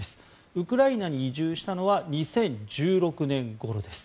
ウクライナに移住したのは２０１６年ごろです。